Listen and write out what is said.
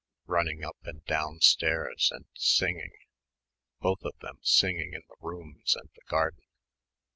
running up and downstairs and singing ... both of them singing in the rooms and the garden